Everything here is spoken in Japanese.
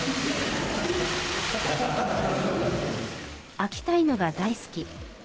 秋田犬が大好き。